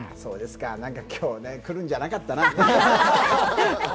今日来るんじゃなかったな。